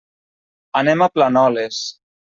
Anem a Planoles.